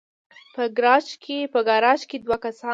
په ګراج کې دوه کسان